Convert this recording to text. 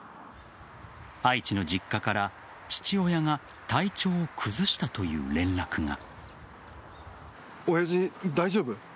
愛知の実家から父親が体調を崩したという連絡が。